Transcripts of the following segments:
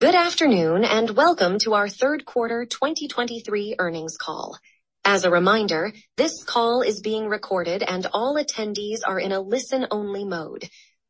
Good afternoon, and welcome to our Third Quarter 2023 Earnings Call. As a reminder, this call is being recorded, and all attendees are in a listen-only mode.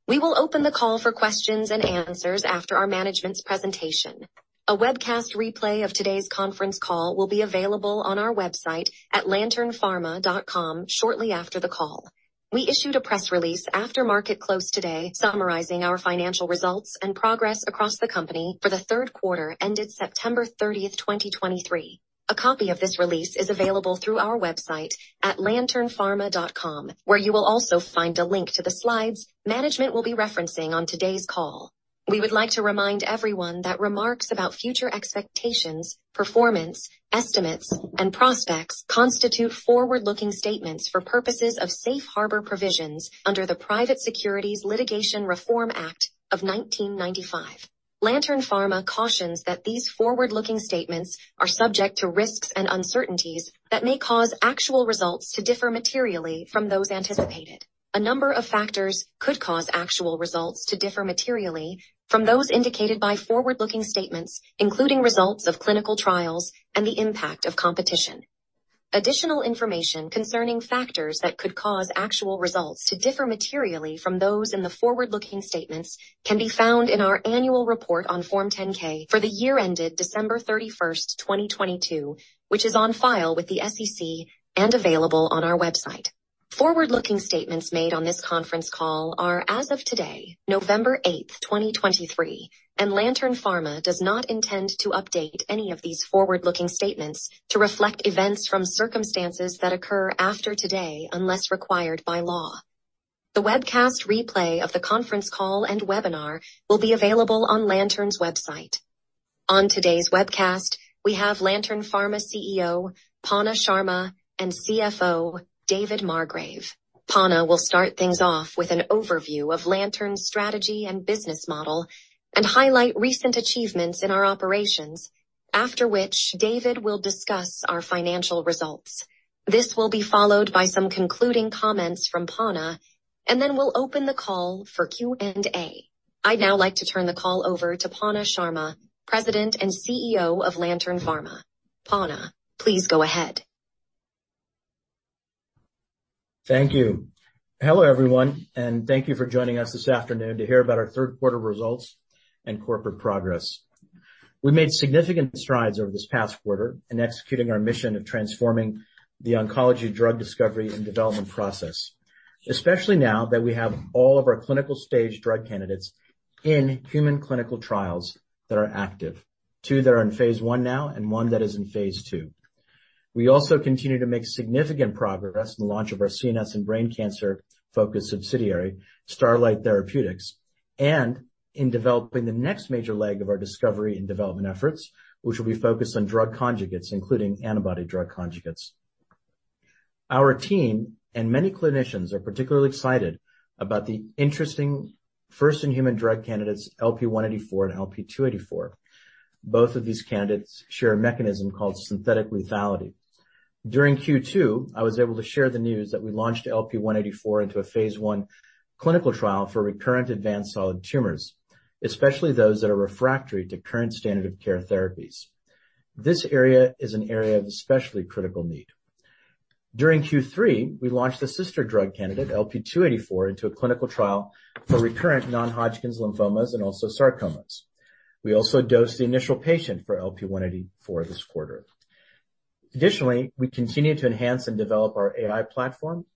We will open the call for questions and answers after our management's presentation. A webcast replay of today's conference call will be available on our website at lanternpharma.com shortly after the call. We issued a press release after market close today, summarizing our financial results and progress across the company for the third quarter ended September 30th, 2023. A copy of this release is available through our website at lanternpharma.com, where you will also find a link to the slides management will be referencing on today's call. We would like to remind everyone that remarks about future expectations, performance, estimates, and prospects constitute forward-looking statements for purposes of safe harbor provisions under the Private Securities Litigation Reform Act of 1995. Lantern Pharma cautions that these forward-looking statements are subject to risks and uncertainties that may cause actual results to differ materially from those anticipated. A number of factors could cause actual results to differ materially from those indicated by forward-looking statements, including results of clinical trials and the impact of competition. Additional information concerning factors that could cause actual results to differ materially from those in the forward-looking statements can be found in our annual report on Form 10-K for the year ended December 31st, 2022, which is on file with the SEC and available on our website. Forward-looking statements made on this conference call are as of today, November 8th, 2023, and Lantern Pharma does not intend to update any of these forward-looking statements to reflect events from circumstances that occur after today, unless required by law. The webcast replay of the conference call and webinar will be available on Lantern's website. On today's webcast, we have Lantern Pharma CEO, Panna Sharma, and CFO, David Margrave. Panna will start things off with an overview of Lantern's strategy and business model and highlight recent achievements in our operations, after which David will discuss our financial results. This will be followed by some concluding comments from Panna, and then we'll open the call for Q&A. I'd now like to turn the call over to Panna Sharma, President and CEO of Lantern Pharma. Panna, please go ahead. Thank you. Hello, everyone, and thank you for joining us this afternoon to hear about our third quarter results and corporate progress. We made significant strides over this past quarter in executing our mission of transforming the oncology drug discovery and development process, especially now that we have all of our clinical stage drug candidates in human clinical trials that are active, two that are in phase I now and one that is in phase II. We also continue to make significant progress in the launch of our CNS and brain cancer-focused subsidiary, Starlight Therapeutics, and in developing the next major leg of our discovery and development efforts, which will be focused on drug conjugates, including antibody drug conjugates. Our team and many clinicians are particularly excited about the interesting first-in-human drug candidates, LP-184 and LP-284. Both of these candidates share a mechanism called synthetic lethality. During Q2, I was able to share the news that we launched LP-184 into a phase I clinical trial for recurrent advanced solid tumors, especially those that are refractory to current standard of care therapies. This area is an area of especially critical need. During Q3, we launched the sister drug candidate, LP-284, into a clinical trial for recurrent non-Hodgkin's lymphomas and also sarcomas. We also dosed the initial patient for LP-184 this quarter. Additionally, we continue to enhance and develop our AI platform,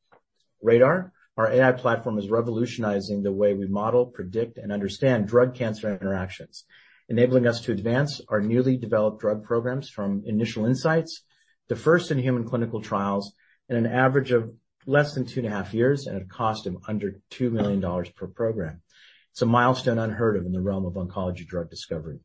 RADR. Our AI platform is revolutionizing the way we model, predict, and understand drug cancer interactions, enabling us to advance our newly developed drug programs from initial insights to first-in-human clinical trials in an average of less than two and a half years at a cost of under $2 million per program. It's a milestone unheard of in the realm of oncology drug discovery.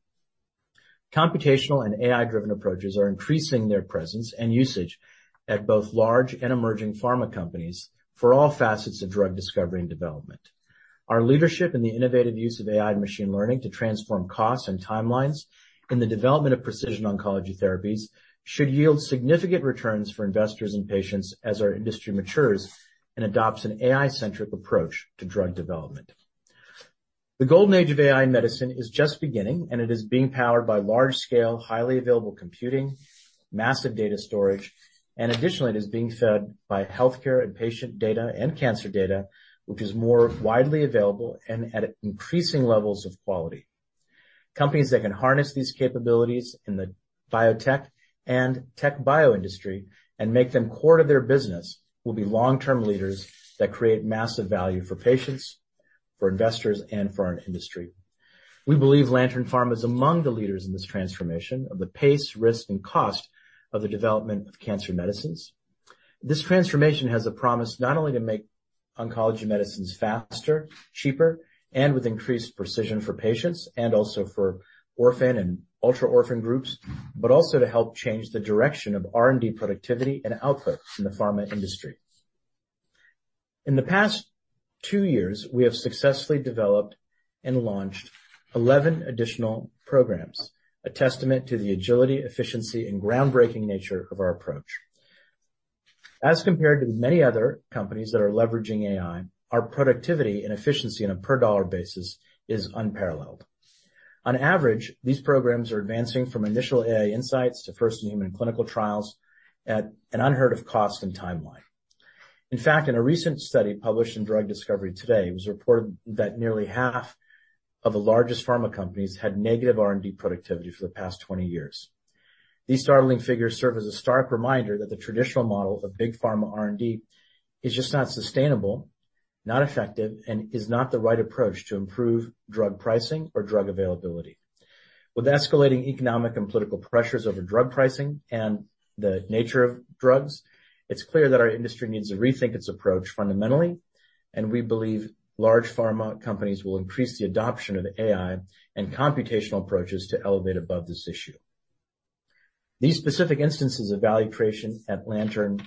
Computational and AI-driven approaches are increasing their presence and usage at both large and emerging pharma companies for all facets of drug discovery and development. Our leadership in the innovative use of AI and machine learning to transform costs and timelines in the development of precision oncology therapies should yield significant returns for investors and patients as our industry matures and adopts an AI-centric approach to drug development. The golden age of AI in medicine is just beginning, and it is being powered by large-scale, highly available computing, massive data storage, and additionally, it is being fed by healthcare and patient data and cancer data, which is more widely available and at increasing levels of quality. Companies that can harness these capabilities in the biotech and tech bio industry and make them core to their business will be long-term leaders that create massive value for patients, for investors, and for our industry. We believe Lantern Pharma is among the leaders in this transformation of the pace, risk, and cost of the development of cancer medicines. This transformation has a promise not only to make oncology medicines faster, cheaper, and with increased precision for patients and also for orphan and ultra-orphan groups, but also to help change the direction of R&D productivity and output in the pharma industry. In the past two years, we have successfully developed and launched 11 additional programs, a testament to the agility, efficiency, and groundbreaking nature of our approach. As compared to many other companies that are leveraging AI, our productivity and efficiency on a per dollar basis is unparalleled. On average, these programs are advancing from initial AI insights to first human clinical trials at an unheard-of cost and timeline. In fact, in a recent study published in Drug Discovery Today, it was reported that nearly half of the largest pharma companies had negative R&D productivity for the past 20 years. These startling figures serve as a stark reminder that the traditional model of big pharma R&D is just not sustainable, not effective, and is not the right approach to improve drug pricing or drug availability. With escalating economic and political pressures over drug pricing and the nature of drugs, it's clear that our industry needs to rethink its approach fundamentally, and we believe large pharma companies will increase the adoption of AI and computational approaches to elevate above this issue. These specific instances of value creation at Lantern,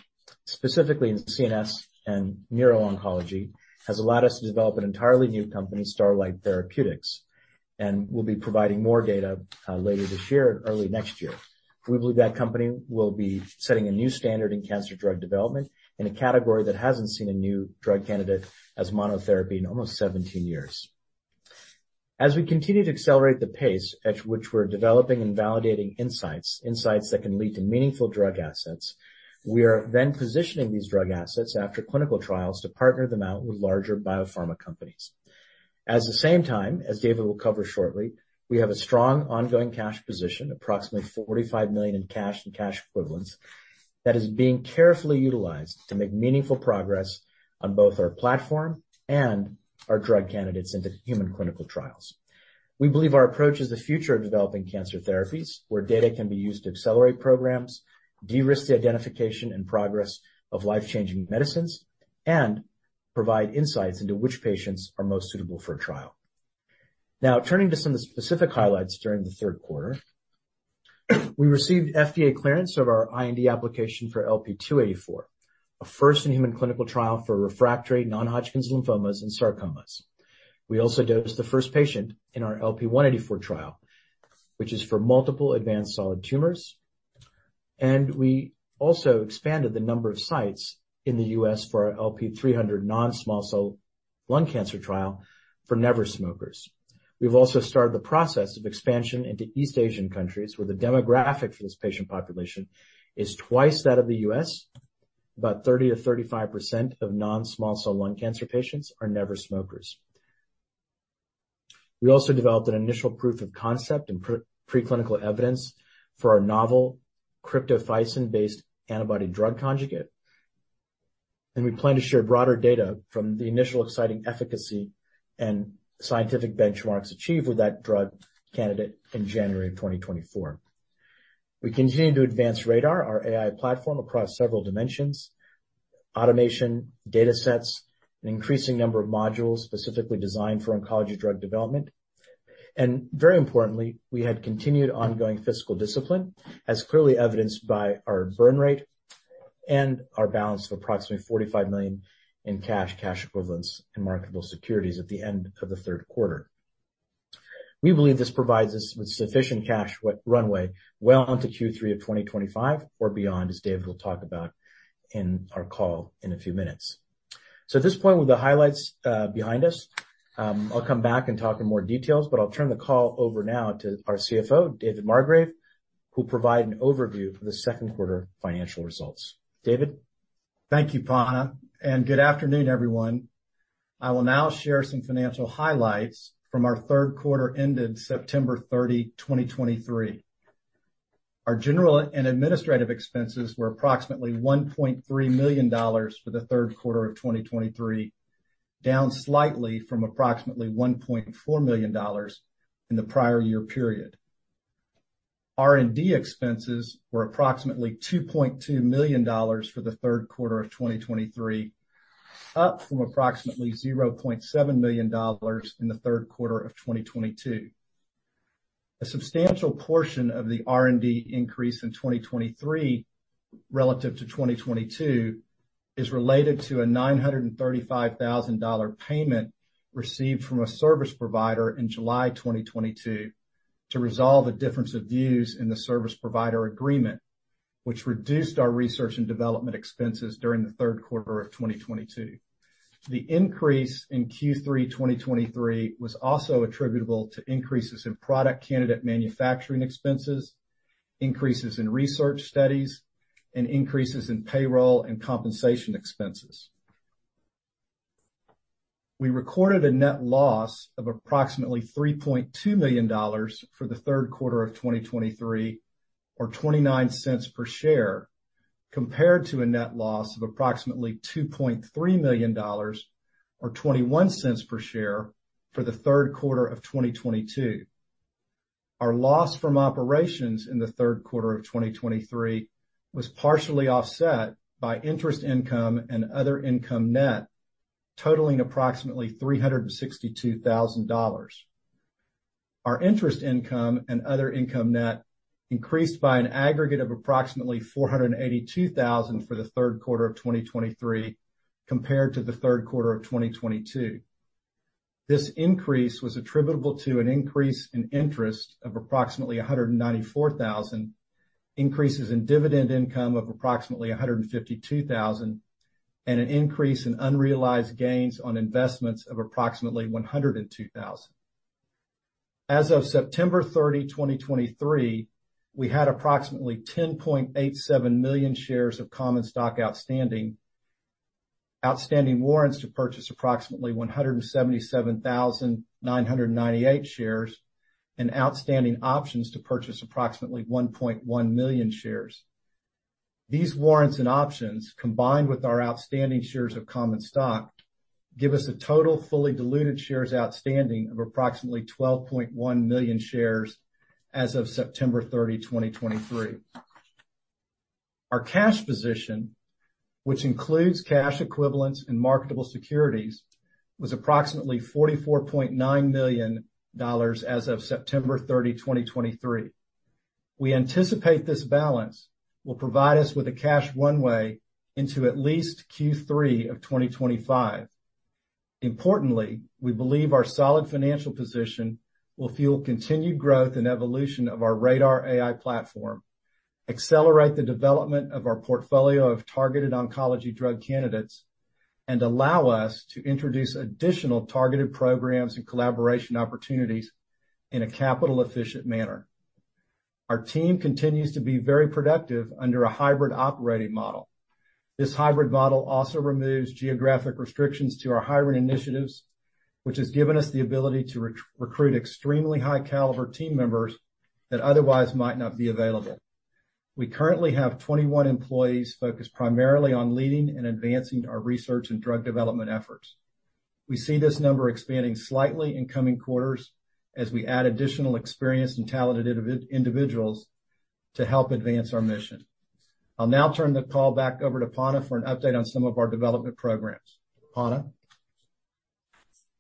specifically in CNS and neuro-oncology, has allowed us to develop an entirely new company, Starlight Therapeutics, and we'll be providing more data, later this year or early next year. We believe that company will be setting a new standard in cancer drug development, in a category that hasn't seen a new drug candidate as monotherapy in almost 17 years. As we continue to accelerate the pace at which we're developing and validating insights, insights that can lead to meaningful drug assets, we are then positioning these drug assets after clinical trials to partner them out with larger biopharma companies. At the same time, as David will cover shortly, we have a strong ongoing cash position, approximately $45 million in cash and cash equivalents, that is being carefully utilized to make meaningful progress on both our platform and our drug candidates into human clinical trials. We believe our approach is the future of developing cancer therapies, where data can be used to accelerate programs, de-risk the identification and progress of life-changing medicines, and provide insights into which patients are most suitable for a trial. Now, turning to some specific highlights during the third quarter, we received FDA clearance of our IND application for LP-284, a first-in-human clinical trial for refractory non-Hodgkin's lymphomas and sarcomas. We also dosed the first patient in our LP-184 trial, which is for multiple advanced solid tumors, and we also expanded the number of sites in the U.S. for our LP-300 non-small cell lung cancer trial for never smokers. We've also started the process of expansion into East Asian countries, where the demographic for this patient population is twice that of the U.S. About 30%-35% of non-small cell lung cancer patients are never smokers. We also developed an initial proof of concept and preclinical evidence for our novel cryptophycin-based antibody drug conjugate, and we plan to share broader data from the initial exciting efficacy and scientific benchmarks achieved with that drug candidate in January 2024. We continue to advance RADR, our AI platform, across several dimensions, automation, data sets, an increasing number of modules specifically designed for oncology drug development. Very importantly, we had continued ongoing fiscal discipline, as clearly evidenced by our burn rate and our balance of approximately $45 million in cash, cash equivalents, and marketable securities at the end of the third quarter. We believe this provides us with sufficient cash runway well into Q3 of 2025 or beyond, as David will talk about in our call in a few minutes. So at this point, with the highlights behind us, I'll come back and talk in more details, but I'll turn the call over now to our CFO, David Margrave, who'll provide an overview for the second quarter financial results. David? Thank you, Panna, and good afternoon, everyone. I will now share some financial highlights from our third quarter, ended September 30, 2023. Our general and administrative expenses were approximately $1.3 million for the third quarter of 2023, down slightly from approximately $1.4 million in the prior year period. R&D expenses were approximately $2.2 million for the third quarter of 2023, up from approximately $0.7 million in the third quarter of 2022. A substantial portion of the R&D increase in 2023, relative to 2022, is related to a $935,000 payment received from a service provider in July 2022 to resolve a difference of views in the service provider agreement, which reduced our research and development expenses during the third quarter of 2022. The increase in Q3 2023 was also attributable to increases in product candidate manufacturing expenses, increases in research studies, and increases in payroll and compensation expenses. We recorded a net loss of approximately $3.2 million for the third quarter of 2023, or $0.21 per share, compared to a net loss of approximately $2.3 million, or $0.21 per share, for the third quarter of 2022. Our loss from operations in the third quarter of 2023 was partially offset by interest income and other income net, totaling approximately $362,000. Our interest income and other income net increased by an aggregate of approximately $482,000 for the third quarter of 2023, compared to the third quarter of 2022. This increase was attributable to an increase in interest of approximately $194,000, increases in dividend income of approximately $152,000, and an increase in unrealized gains on investments of approximately $102,000. As of September 30, 2023, we had approximately 10.87 million shares of common stock outstanding, outstanding warrants to purchase approximately 177,998 shares, and outstanding options to purchase approximately 1.1 million shares. These warrants and options, combined with our outstanding shares of common stock, give us a total fully diluted shares outstanding of approximately 12.1 million shares as of September 30, 2023. Our cash position, which includes cash equivalents and marketable securities, was approximately $44.9 million as of September 30, 2023. We anticipate this balance will provide us with a cash runway into at least Q3 of 2025. Importantly, we believe our solid financial position will fuel continued growth and evolution of our RADR AI platform, accelerate the development of our portfolio of targeted oncology drug candidates, and allow us to introduce additional targeted programs and collaboration opportunities in a capital-efficient manner. Our team continues to be very productive under a hybrid operating model. This hybrid model also removes geographic restrictions to our hiring initiatives, which has given us the ability to recruit extremely high caliber team members that otherwise might not be available. We currently have 21 employees focused primarily on leading and advancing our research and drug development efforts. We see this number expanding slightly in coming quarters as we add additional experienced and talented individuals to help advance our mission. I'll now turn the call back over to Panna for an update on some of our development programs. Panna?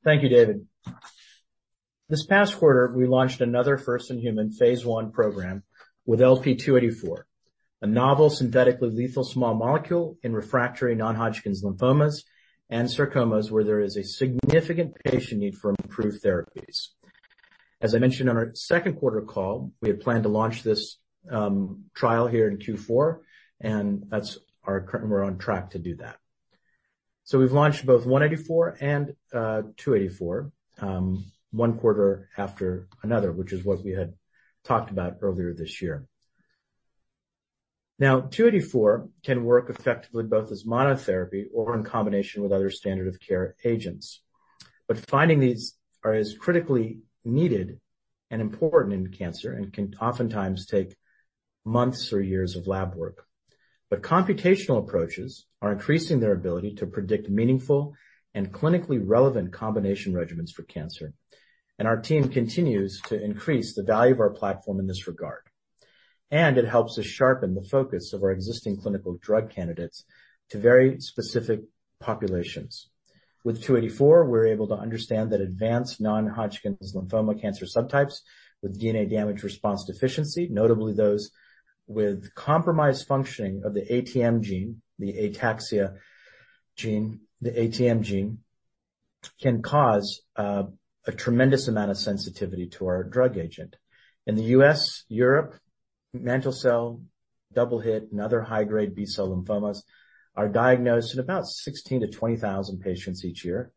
Thank you, David. This past quarter, we launched another first-in-human phase I program with LP-284, a novel synthetically lethal small molecule in refractory non-Hodgkin's lymphomas and sarcomas, where there is a significant patient need for improved therapies. As I mentioned on our second quarter call, we had planned to launch this trial here in Q4, and that's our current. We're on track to do that. So we've launched both LP-184 and LP-284 one quarter after another, which is what we had talked about earlier this year. Now, LP-284 can work effectively both as monotherapy or in combination with other standard of care agents. But finding these are as critically needed and important in cancer and can oftentimes take months or years of lab work. Computational approaches are increasing their ability to predict meaningful and clinically relevant combination regimens for cancer, and our team continues to increase the value of our platform in this regard. It helps us sharpen the focus of our existing clinical drug candidates to very specific populations. With LP-284, we're able to understand that advanced non-Hodgkin's lymphoma cancer subtypes with DNA damage response deficiency, notably those with compromised functioning of the ATM gene, the ataxia gene, the ATM gene, can cause a tremendous amount of sensitivity to our drug agent. In the U.S., Europe, mantle cell, double hit, and other high-grade B-cell lymphomas are diagnosed in about 16,000-20,000 patients each year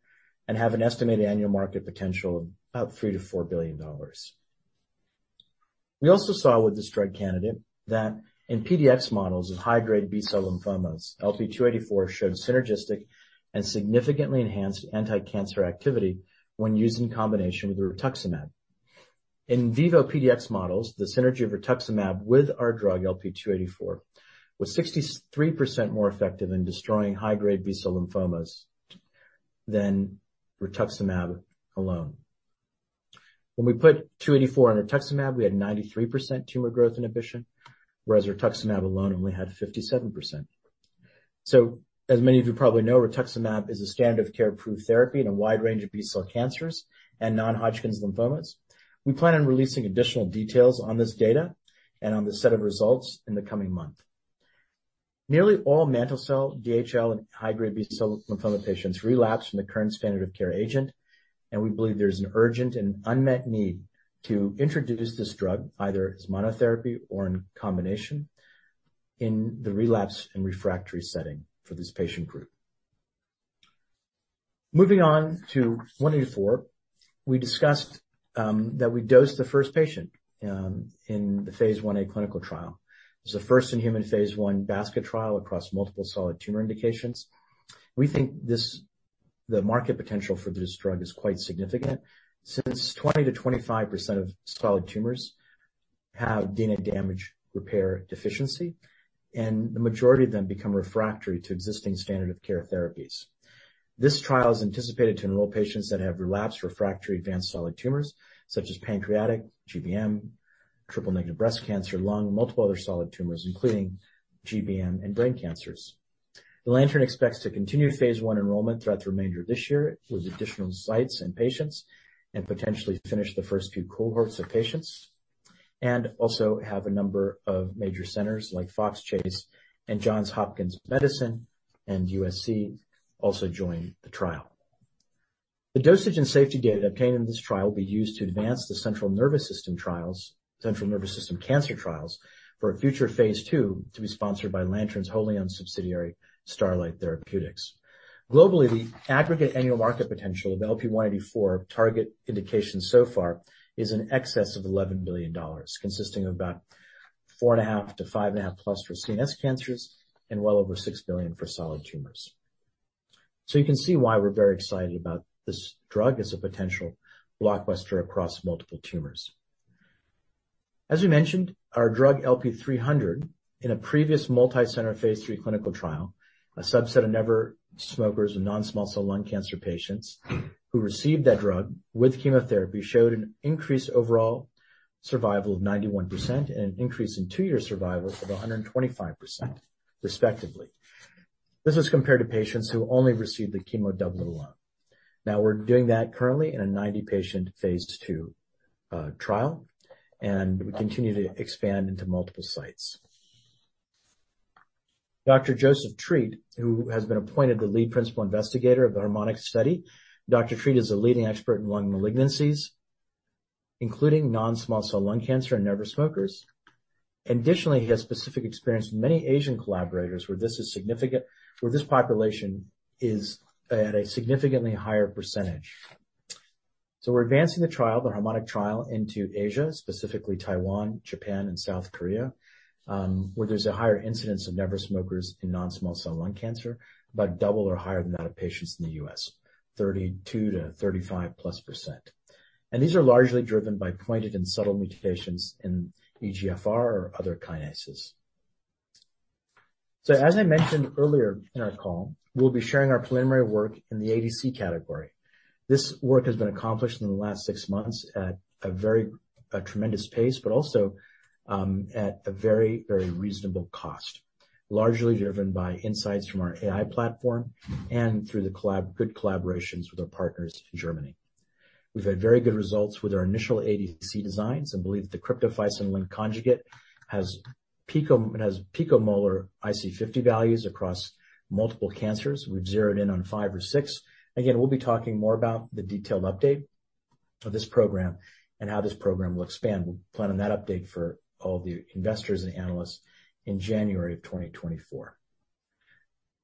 and have an estimated annual market potential of about $3 billion-$4 billion. We also saw with this drug candidate that in PDX models of high-grade B-cell lymphomas, LP-284 showed synergistic and significantly enhanced anticancer activity when used in combination with rituximab. In-vivo PDX models, the synergy of rituximab with our drug, LP-284, was 63% more effective in destroying high-grade B-cell lymphomas than rituximab alone. When we put 284 and rituximab, we had 93% tumor growth inhibition, whereas rituximab alone only had 57%. So as many of you probably know, rituximab is a standard of care-approved therapy in a wide range of B-cell cancers and non-Hodgkin's lymphomas. We plan on releasing additional details on this data and on the set of results in the coming month. Nearly all mantle cell, DHL, and high-grade B-cell lymphoma patients relapse from the current standard of care agent, and we believe there's an urgent and unmet need to introduce this drug, either as monotherapy or in combination, in the relapse and refractory setting for this patient group. Moving on to 184, we discussed that we dosed the first patient in the phase I-A clinical trial. It's the first-in-human phase I basket trial across multiple solid tumor indications. We think this the market potential for this drug is quite significant, since 20%-25% of solid tumors have DNA damage repair deficiency, and the majority of them become refractory to existing standard of care therapies. This trial is anticipated to enroll patients that have relapsed refractory advanced solid tumors such as pancreatic, GBM, triple-negative breast cancer, lung, multiple other solid tumors, including GBM and brain cancers. The Lantern expects to continue phase I enrollment throughout the remainder of this year with additional sites and patients and potentially finish the first few cohorts of patients, and also have a number of major centers like Fox Chase and Johns Hopkins Medicine, and USC also joined the trial. The dosage and safety data obtained in this trial will be used to advance the central nervous system trials, central nervous system cancer trials, for a future phase II, to be sponsored by Lantern's wholly-owned subsidiary, Starlight Therapeutics. Globally, the aggregate annual market potential of LP-184 target indications so far is in excess of $11 billion, consisting of about $4.5 billion-$5.5 billion+ for CNS cancers, and well over $6 billion for solid tumors. So you can see why we're very excited about this drug as a potential blockbuster across multiple tumors. As we mentioned, our drug, LP-300, in a previous multi-center phase III clinical trial, a subset of never smokers and non-small cell lung cancer patients who received that drug with chemotherapy, showed an increased overall survival of 91% and an increase in two-year survival of 125%, respectively. This was compared to patients who only received the chemo doublet alone. Now, we're doing that currently in a 90-patient phase II trial, and we continue to expand into multiple sites. Dr. Joseph Treat, who has been appointed the lead principal investigator of the Harmonic study. Dr. Treat is a leading expert in lung malignancies, including non-small cell lung cancer in never smokers. Additionally, he has specific experience with many Asian collaborators, where this is significant, where this population is at a significantly higher percentage. So we're advancing the trial, the Harmonic trial, into Asia, specifically Taiwan, Japan, and South Korea, where there's a higher incidence of never smokers in non-small cell lung cancer, about double or higher than that of patients in the U.S., 32%-35+%. And these are largely driven by pointed and subtle mutations in EGFR or other kinases. So, as I mentioned earlier in our call, we'll be sharing our preliminary work in the ADC category. This work has been accomplished in the last six months at a very tremendous pace, but also at a very, very reasonable cost, largely driven by insights from our AI platform and through good collaborations with our partners in Germany. We've had very good results with our initial ADC designs and believe the cryptophycin link conjugate has picomolar IC50 values across multiple cancers. We've zeroed in on five or six. Again, we'll be talking more about the detailed update of this program and how this program will expand. We'll plan on that update for all the investors and analysts in January of 2024.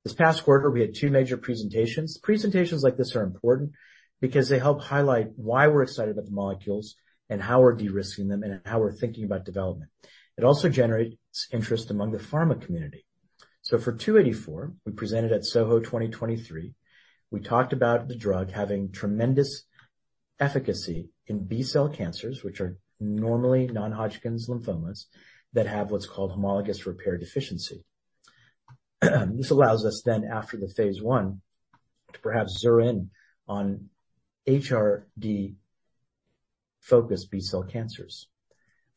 This past quarter, we had two major presentations. Presentations like this are important because they help highlight why we're excited about the molecules and how we're de-risking them, and how we're thinking about development. It also generates interest among the pharma community. So for LP-284, we presented at SOHO 2023. We talked about the drug having tremendous efficacy in B-cell cancers, which are normally non-Hodgkin's lymphomas, that have what's called homologous repair deficiency. This allows us then, after the phase I, to perhaps zero in on HRD-focused B-cell cancers.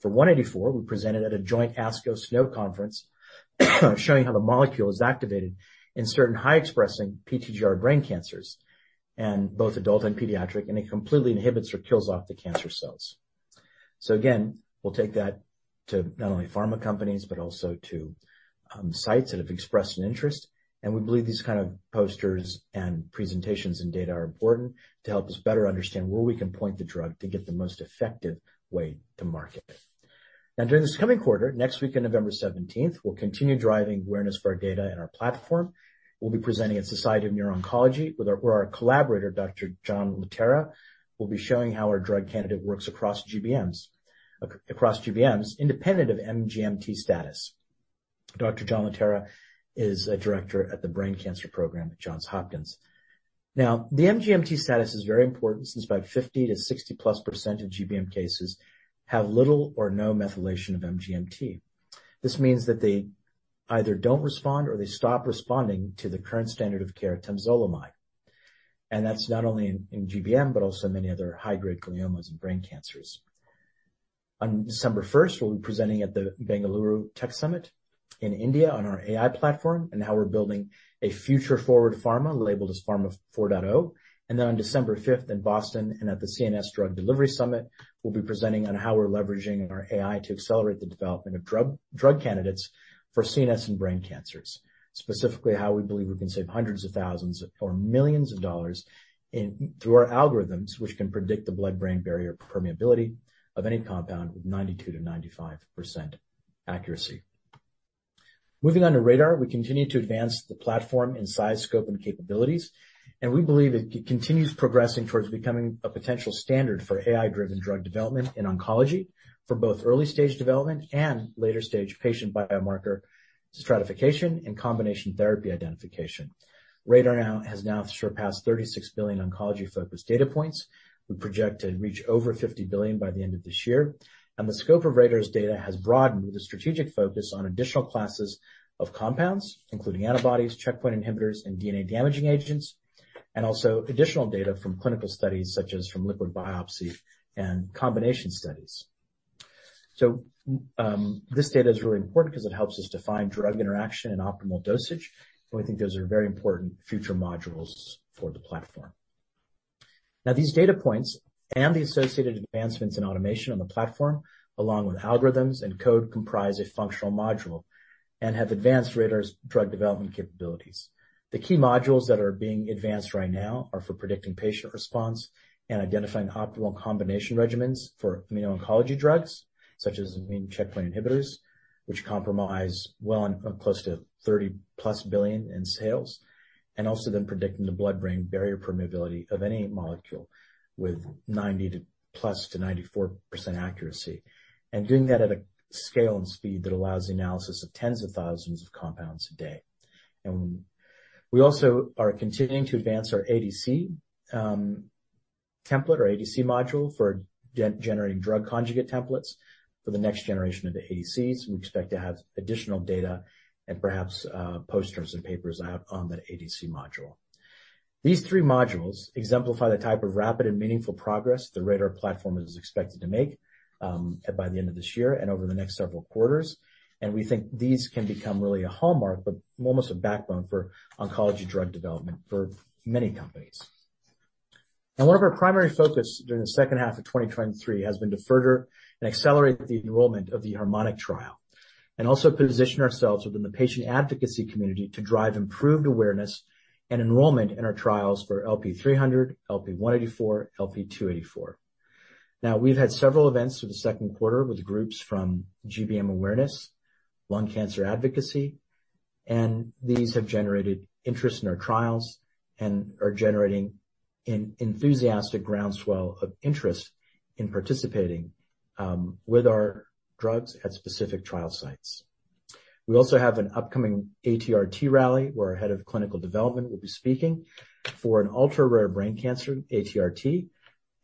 For LP-184, we presented at a joint ASCO/SNO conference, showing how the molecule is activated in certain high-expressing PTGR brain cancers, in both adult and pediatric, and it completely inhibits or kills off the cancer cells. So again, we'll take that to not only pharma companies, but also to sites that have expressed an interest. We believe these kind of posters and presentations and data are important to help us better understand where we can point the drug to get the most effective way to market it. Now, during this coming quarter, next week on November 17th, we'll continue driving awareness for our data and our platform. We'll be presenting at Society for Neuro-Oncology, where our collaborator, Dr. John Laterra, will be showing how our drug candidate works across GBMs, independent of MGMT status. Dr. John Laterra is a director at the Brain Cancer Program at Johns Hopkins. Now, the MGMT status is very important since about 50%-60+% of GBM cases have little or no methylation of MGMT. This means that they either don't respond or they stop responding to the current standard of care, temozolomide, and that's not only in GBM, but also many other high-grade gliomas and brain cancers. On December first, we'll be presenting at the Bengaluru Tech Summit in India on our AI platform, and how we're building a future-forward pharma labeled as Pharma 4.0. Then on December fifth in Boston, and at the CNS Drug Delivery Summit, we'll be presenting on how we're leveraging our AI to accelerate the development of drug candidates for CNS and brain cancers. Specifically, how we believe we can save hundreds of thousands or millions of dollars in through our algorithms, which can predict the blood-brain barrier permeability of any compound with 92%-95% accuracy. Moving on to RADR, we continue to advance the platform in size, scope, and capabilities, and we believe it continues progressing towards becoming a potential standard for AI-driven drug development in oncology, for both early stage development and later stage patient biomarker stratification and combination therapy identification. RADR has now surpassed 36 billion oncology-focused data points. We project to reach over 50 billion by the end of this year, and the scope of RADR's data has broadened with a strategic focus on additional classes of compounds, including antibodies, checkpoint inhibitors, and DNA-damaging agents, and also additional data from clinical studies, such as from liquid biopsy and combination studies. So, this data is really important because it helps us define drug interaction and optimal dosage, and we think those are very important future modules for the platform.... Now, these data points and the associated advancements in automation on the platform, along with algorithms and code, comprise a functional module and have advanced RADR's drug development capabilities. The key modules that are being advanced right now are for predicting patient response and identifying optimal combination regimens for immuno-oncology drugs, such as immune checkpoint inhibitors, which compromise well on close to $30+ billion in sales, and also then predicting the blood-brain barrier permeability of any molecule with 90%+ to 94% accuracy, and doing that at a scale and speed that allows the analysis of tens of thousands of compounds a day. We also are continuing to advance our ADC template or ADC module for generating drug conjugate templates for the next generation of the ADCs. We expect to have additional data and perhaps posters and papers out on that ADC module. These three modules exemplify the type of rapid and meaningful progress the RADR platform is expected to make by the end of this year and over the next several quarters, and we think these can become really a hallmark, but almost a backbone for oncology drug development for many companies. Now, one of our primary focus during the second half of 2023 has been to further and accelerate the enrollment of the Harmonic trial, and also position ourselves within the patient advocacy community to drive improved awareness and enrollment in our trials for LP-300, LP-184, LP-284. Now, we've had several events through the second quarter with groups from GBM Awareness, Lung Cancer Advocacy, and these have generated interest in our trials and are generating an enthusiastic groundswell of interest in participating with our drugs at specific trial sites. We also have an upcoming ATRT rally, where our head of clinical development will be speaking for an ultra-rare brain cancer, ATRT,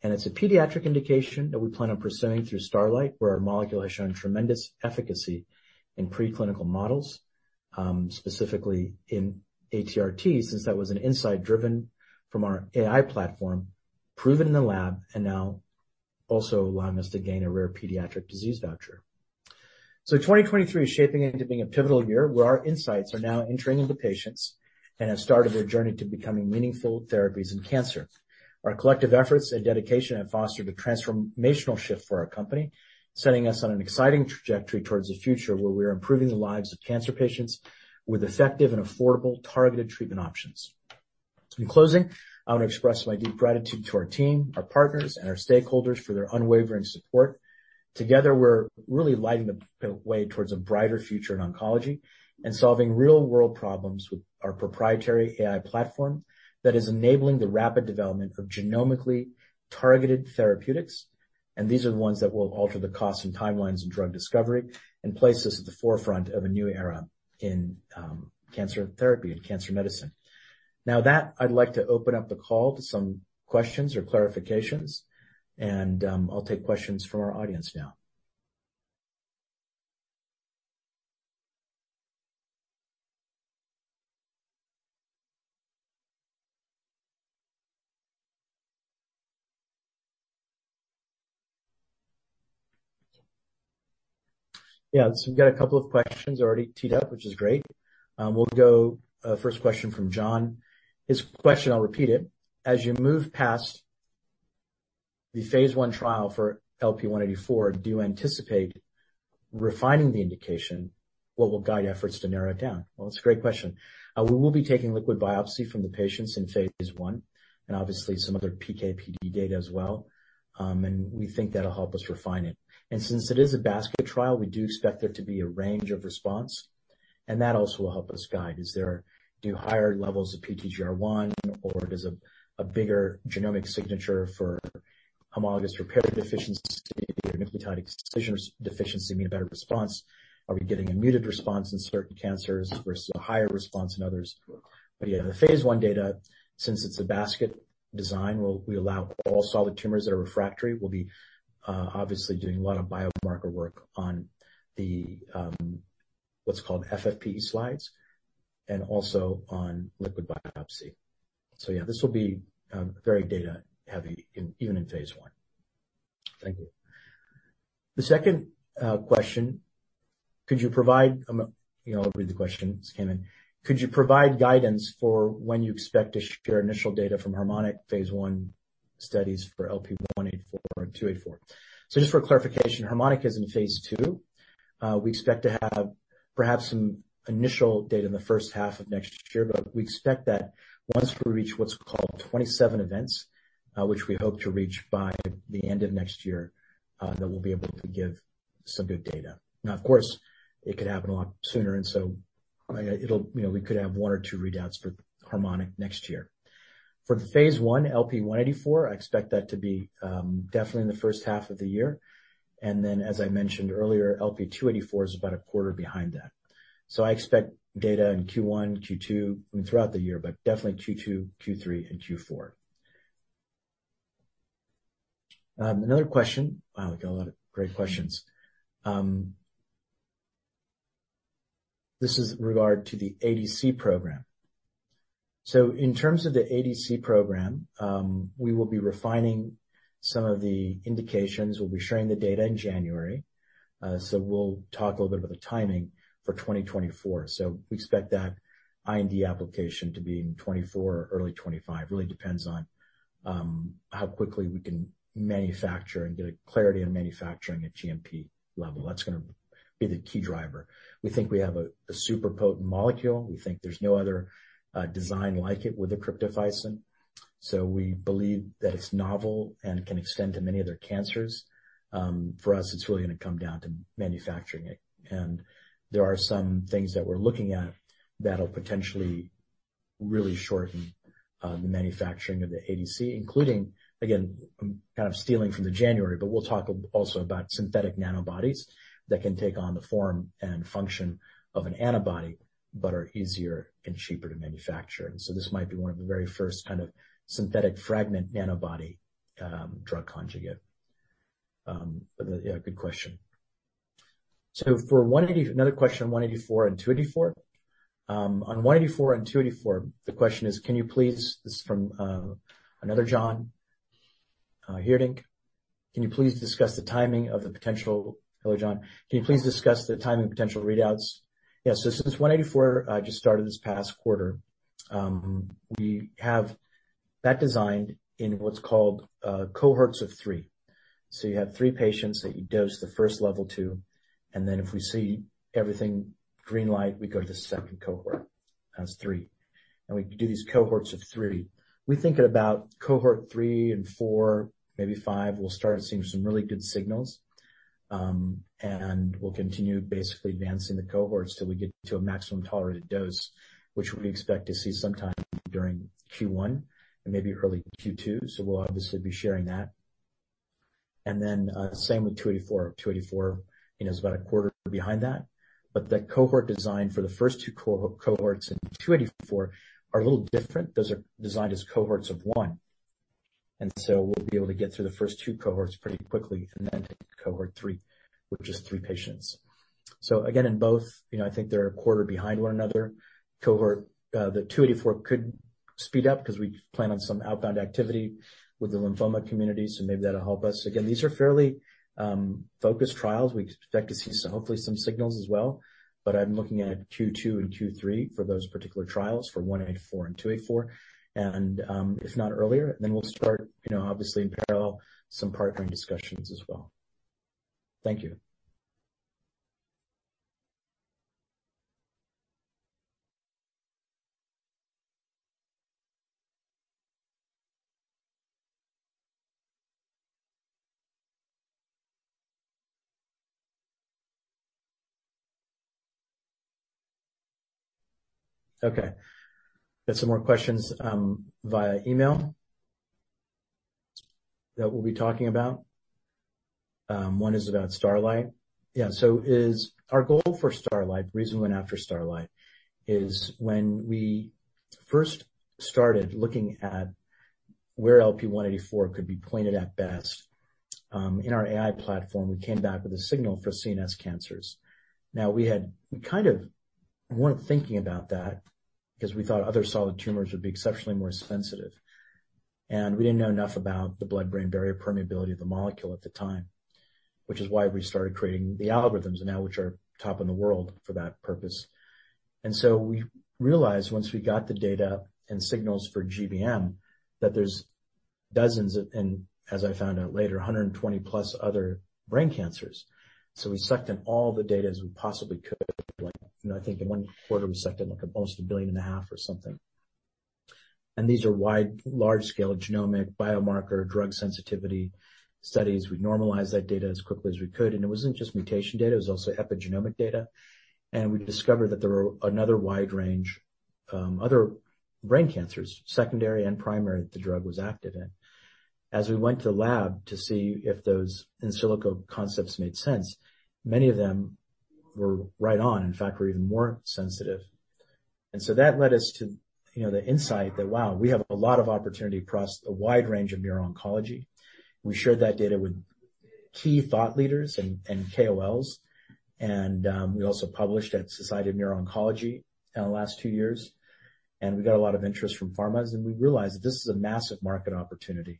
and it's a pediatric indication that we plan on pursuing through Starlight, where our molecule has shown tremendous efficacy in preclinical models, specifically in ATRT, since that was an insight driven from our AI platform, proven in the lab, and now also allowing us to gain a rare pediatric disease voucher. So 2023 is shaping into being a pivotal year, where our insights are now entering into patients and have started their journey to becoming meaningful therapies in cancer. Our collective efforts and dedication have fostered a transformational shift for our company, setting us on an exciting trajectory towards a future where we are improving the lives of cancer patients with effective and affordable targeted treatment options. In closing, I want to express my deep gratitude to our team, our partners, and our stakeholders for their unwavering support. Together, we're really lighting the way towards a brighter future in oncology and solving real-world problems with our proprietary AI platform that is enabling the rapid development of genomically targeted therapeutics, and these are the ones that will alter the costs and timelines in drug discovery and place us at the forefront of a new era in cancer therapy and cancer medicine. Now with that, I'd like to open up the call to some questions or clarifications, and I'll take questions from our audience now. Yeah, so we've got a couple of questions already teed up, which is great. We'll go first question from John. His question, I'll repeat it: As you move past the phase I trial for LP-184, do you anticipate refining the indication? What will guide efforts to narrow it down? Well, that's a great question. We will be taking liquid biopsy from the patients in phase I, and obviously some other PK/PD data as well. And we think that'll help us refine it. And since it is a basket trial, we do expect there to be a range of response, and that also will help us guide. Do higher levels of PTGR1, or does a bigger genomic signature for homologous repair deficiency or nucleotide excision deficiency mean a better response? Are we getting a muted response in certain cancers versus a higher response in others? But, yeah, the phase I data, since it's a basket design, will, we allow all solid tumors that are refractory. We'll be, obviously, doing a lot of biomarker work on the, what's called FFPE slides and also on liquid biopsy. So yeah, this will be, very data-heavy, even in phase I. Thank you. The second, question: Could you provide... You know, I'll read the question, this came in. Could you provide guidance for when you expect to share initial data from Harmonic phase I studies for LP-184 and LP-284? So just for clarification, Harmonic is in phase II. We expect to have perhaps some initial data in the first half of next year, but we expect that once we reach what's called 27 events, which we hope to reach by the end of next year, that we'll be able to give some good data. Now, of course, it could happen a lot sooner, and so it'll, you know, we could have one or two readouts for Harmonic next year. For the phase I, LP-184, I expect that to be definitely in the first half of the year. And then, as I mentioned earlier, LP-284 is about a quarter behind that. So I expect data in Q1, Q2, I mean, throughout the year, but definitely Q2, Q3, and Q4. Another question. Wow, we got a lot of great questions. This is regarding the ADC program. So in terms of the ADC program, we will be refining some of the indications, we'll be sharing the data in January. So we'll talk a little bit about the timing for 2024. So we expect that IND application to be in 2024 or early 2025. Really depends on how quickly we can manufacture and get a clarity on manufacturing at GMP level. That's gonna be the key driver. We think we have a super potent molecule. We think there's no other design like it with the cryptophycin. So we believe that it's novel and can extend to many other cancers. For us, it's really going to come down to manufacturing it, and there are some things that we're looking at that will potentially really shorten the manufacturing of the ADC, including, again, I'm kind of stealing from the January, but we'll talk also about synthetic nanobodies that can take on the form and function of an antibody, but are easier and cheaper to manufacture. And so this might be one of the very first kind of synthetic fragment nanobody drug conjugate. But yeah, good question. So for 184, another question on 184 and 284. On 184 and 284, the question is, "Can you please," this is from another John, Heerdink, "Can you please discuss the timing of the potential..." Hello, John. "Can you please discuss the timing of potential readouts?" Yes, so since 184 just started this past quarter, we have that designed in what's called cohorts of three. So you have three patients that you dose the first level 2, and then if we see everything green light, we go to the second cohort, as three. And we do these cohorts of three. We think at about cohort three and four, maybe five, we'll start seeing some really good signals. And we'll continue basically advancing the cohorts till we get to a maximum tolerated dose, which we expect to see sometime during Q1 and maybe early Q2. So we'll obviously be sharing that. And then, same with LP-284. LP-284, you know, is about a quarter behind that, but the cohort design for the first two cohorts in LP-284 are a little different. Those are designed as cohorts of one, and so we'll be able to get through the first two cohorts pretty quickly and then cohort three, with just three patients. So again, in both, you know, I think they're a quarter behind one another. Cohort, the LP-284 could speed up because we plan on some outbound activity with the lymphoma community, so maybe that'll help us. Again, these are fairly focused trials. We expect to see so hopefully some signals as well, but I'm looking at Q2 and Q3 for those particular trials, for LP-184 and LP-284. And, if not earlier, then we'll start, you know, obviously in parallel, some partnering discussions as well. Thank you. Okay, got some more questions, via email, that we'll be talking about. One is about Starlight. Yeah, so our goal for Starlight, the reason we went after Starlight, is when we first started looking at where LP-184 could be pointed at best, in our AI platform, we came back with a signal for CNS cancers. Now, we kind of weren't thinking about that because we thought other solid tumors would be exceptionally more sensitive, and we didn't know enough about the blood-brain barrier permeability of the molecule at the time, which is why we started creating the algorithms now, which are top in the world for that purpose. So we realized once we got the data and signals for GBM, that there's dozens, and as I found out later, 120+ other brain cancers. We sucked in all the data as we possibly could. You know, I think in one quarter, we sucked in, like, almost 1.5 billion or something. And these are wide, large-scale genomic biomarker drug sensitivity studies. We normalized that data as quickly as we could, and it wasn't just mutation data, it was also epigenomic data. We discovered that there were another wide range, other brain cancers, secondary and primary, that the drug was active in. As we went to the lab to see if those in silico concepts made sense, many of them were right on, in fact, were even more sensitive. So that led us to, you know, the insight that, wow, we have a lot of opportunity across a wide range of neuro-oncology. We shared that data with key thought leaders and KOLs, and we also published at Society for Neuro-Oncology in the last two years, and we got a lot of interest from pharmas, and we realized that this is a massive market opportunity.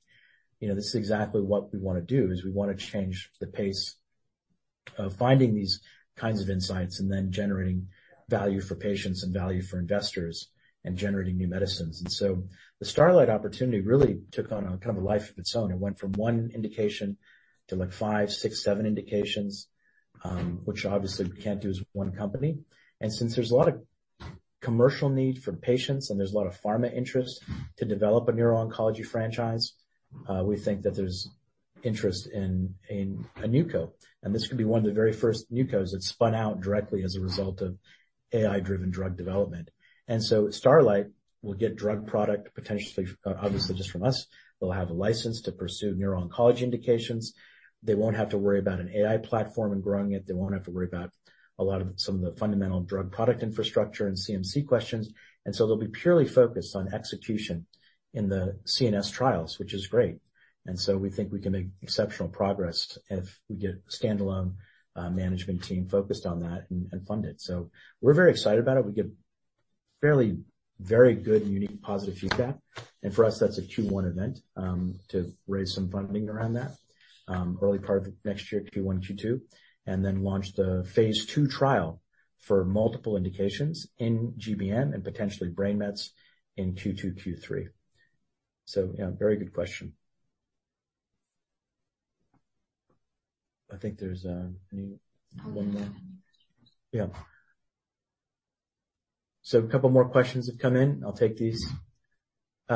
You know, this is exactly what we wanna do, is we wanna change the pace of finding these kinds of insights and then generating value for patients and value for investors and generating new medicines. And so the Starlight opportunity really took on a kind of a life of its own. It went from one indication to like five, six, seven indications, which obviously we can't do as one company. And since there's a lot of commercial need for patients, and there's a lot of pharma interest to develop a neuro-oncology franchise, we think that there's interest in a new co. And this could be one of the very first new cos that spun out directly as a result of AI-driven drug development. And so Starlight will get drug product, potentially, obviously, just from us. They'll have a license to pursue neuro-oncology indications. They won't have to worry about an AI platform and growing it. They won't have to worry about a lot of some of the fundamental drug product infrastructure and CMC questions. And so they'll be purely focused on execution in the CNS trials, which is great. And so we think we can make exceptional progress if we get a standalone, management team focused on that and, and funded. So we're very excited about it. Fairly, very good, unique, positive feedback. And for us, that's a Q1 event, to raise some funding around that. Early part of next year, Q1, Q2, and then launch the phase II trial for multiple indications in GBM and potentially brain mets in Q2, Q3. So, yeah, very good question. I think there's, any one more? Yeah. So a couple more questions have come in. I'll take these.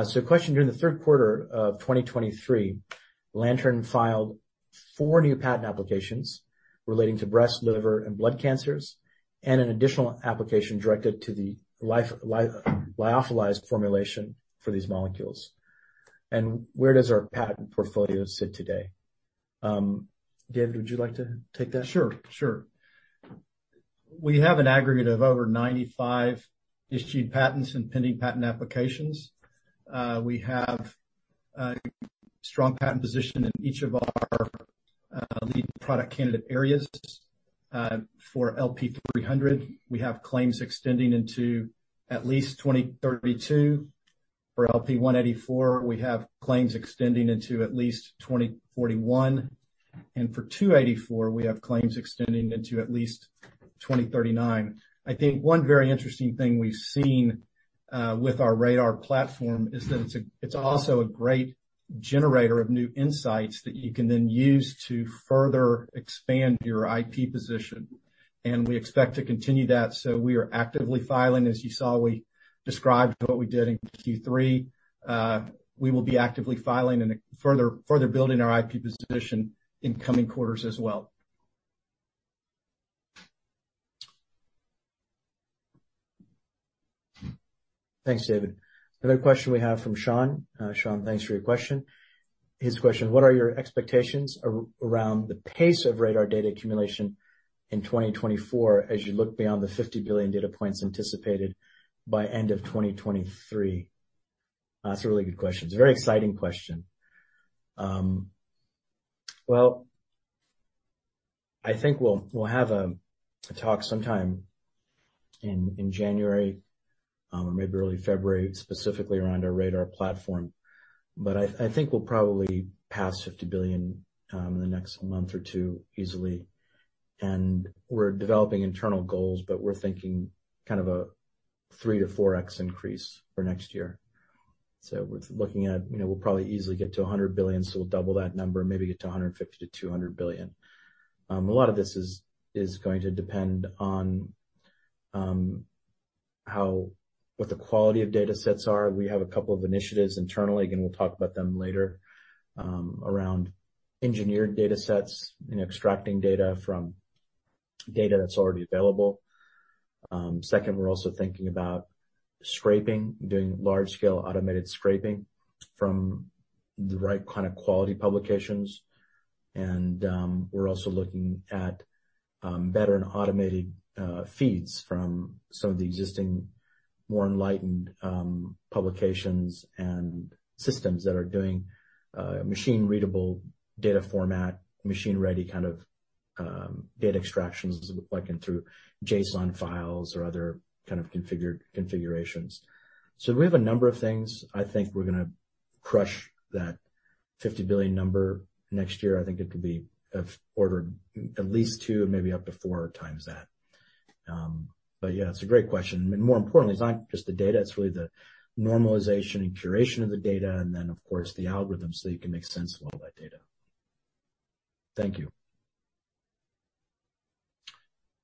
So question, "During the third quarter of 2023, Lantern filed 4 new patent applications relating to breast, liver, and blood cancers, and an additional application directed to the lyophilized formulation for these molecules. And where does our patent portfolio sit today?" David, would you like to take that? Sure, sure. We have an aggregate of over 95 issued patents and pending patent applications. We have a strong patent position in each of our lead product candidate areas. For LP-300, we have claims extending into at least 2032. For LP-184, we have claims extending into at least 2041, and for LP-284, we have claims extending into at least 2039. I think one very interesting thing we've seen with our RADR platform is that it's also a great generator of new insights that you can then use to further expand your IP position, and we expect to continue that. So we are actively filing. As you saw, we described what we did in Q3. We will be actively filing and further building our IP position in coming quarters as well. Thanks, David. Another question we have from Sean. Sean, thanks for your question. His question: "What are your expectations around the pace of RADR data accumulation in 2024, as you look beyond the 50 billion data points anticipated by end of 2023?" That's a really good question. It's a very exciting question. Well, I think we'll have a talk sometime in January or maybe early February, specifically around our RADR platform. But I think we'll probably pass 50 billion in the next month or two easily. And we're developing internal goals, but we're thinking kind of a 3x-4x increase for next year. So we're looking at, you know, we'll probably easily get to 100 billion, so we'll double that number and maybe get to 150 billion-200 billion. A lot of this is going to depend on how what the quality of data sets are. We have a couple of initiatives internally, again, we'll talk about them later, around engineered data sets and extracting data from data that's already available. Second, we're also thinking about scraping, doing large scale automated scraping from the right kind of quality publications. And, we're also looking at better and automated feeds from some of the existing more enlightened publications and systems that are doing machine readable data format, machine ready kind of data extractions, like in through JSON files or other kind of configured configurations. So we have a number of things. I think we're gonna crush that 50 billion number next year. I think it could be of order at least 2, maybe up to 4 times that. But yeah, it's a great question. I mean, more importantly, it's not just the data, it's really the normalization and curation of the data, and then, of course, the algorithms, so you can make sense of all that data. Thank you.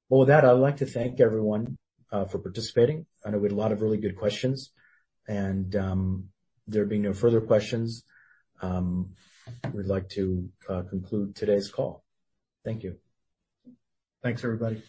Well, with that, I'd like to thank everyone for participating. I know we had a lot of really good questions, and there being no further questions, we'd like to conclude today's call. Thank you. Thanks, everybody.